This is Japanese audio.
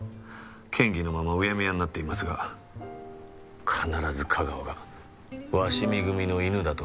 嫌疑のままうやむやになっていますが必ず架川が鷲見組の犬だとはっきりさせますよ。